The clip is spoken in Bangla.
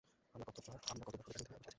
আমরা কত বার হবে তা নির্ধারণ করব, ঠিক আছে?